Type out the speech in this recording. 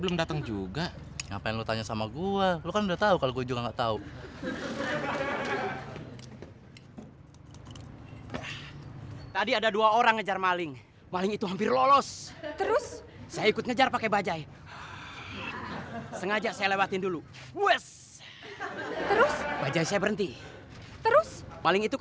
masih bisa berdiri